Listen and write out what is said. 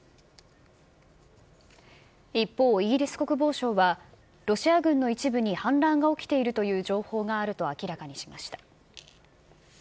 一方、イギリス国防省は、ロシア軍の一部に反乱が起きているという情報があると明らかにしました。